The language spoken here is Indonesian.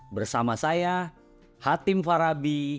bersama saya hatim farabi